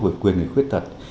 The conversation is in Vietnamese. về quyền người khuyết thật